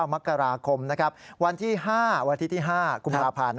๒๙มกราคมวันที่๕วันที่๕กุมภาพันธ์